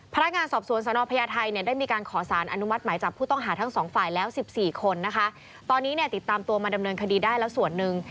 พนักงานสอบสวนสนพญาไทยเนี่ยได้มีการขอสารอนุมัติหมายจับผู้ต้องหาทั้งสองฝ่ายแล้วสิบสี่คนนะคะตอนนี้เนี่ยติดตามตัวมาดำเนินคดีได้แล้วส่วนหนึ่ง